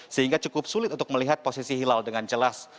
sehingga cukup sulit untuk melihat posisi hilal dengan jelas